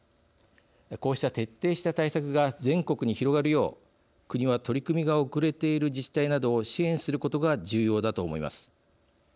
こうした徹底した対策が全国に広がるよう国は、取り組みが遅れている自治体などを支援することが重要だと思います。